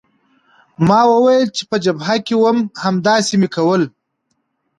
ما وویل چې په جبهه کې وم همداسې مې کول.